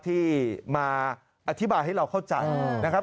ที่มาอธิบายให้เราเข้าใจนะครับ